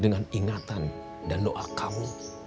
dengan ingatan dan doa kamu